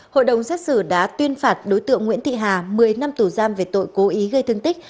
hội đồng xét xử đã tuyên phạt đối tượng nguyễn thị hà một mươi năm tù giam về tội cố ý gây thương tích